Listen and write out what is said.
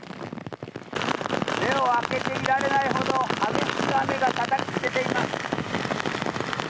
目を開けていられないほど激しく雨がたたきつけています。